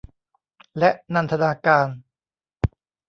และนันทนาการ